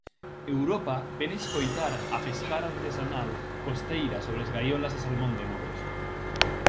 Europa vén escoitar á pescar artesanal costeira sobre as gaiolas de salmón de Muros.